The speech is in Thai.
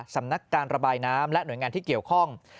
สำนักการระบายน้ำและหน่วยงานที่เกี่ยวข้อง